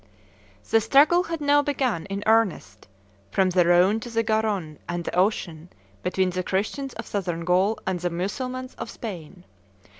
The struggle had now begun in earnest, from the Rhone to the Garonne and the Ocean, between the Christians of Southern Gaul and the Mussulmans of Spain.